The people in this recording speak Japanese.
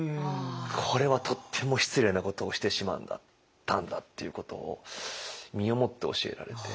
これはとっても失礼なことをしてしまったんだっていうことを身をもって教えられて。